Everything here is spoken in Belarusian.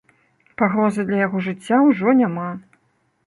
Пагрозы для яго жыцця ўжо няма.